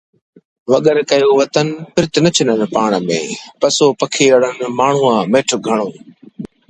Within a short time, all Leinster was again in Mac Murchada's control.